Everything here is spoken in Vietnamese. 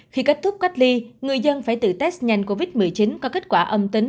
khi kết thúc cách ly người dân phải tự test nhanh covid một mươi chín có kết quả âm tính